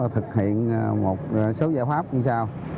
thực hiện một số giải pháp như sau